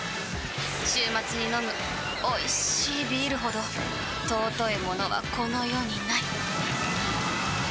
週末に飲むおいしいビールほど尊いものはこの世にない！